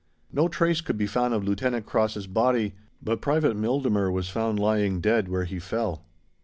No trace could be found of Lieutenant Cross's body, but Private Mildemer was found lying dead where he fell.